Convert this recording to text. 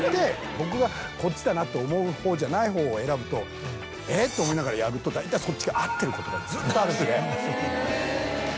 僕がこっちだなと思う方じゃない方を選ぶとえっ？と思いながらやると大体そっちが合ってることがずっとあるんで。